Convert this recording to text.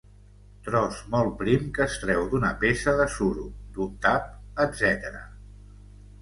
Tros molt prim que es treu d'una peça de suro, d'un tap, etc.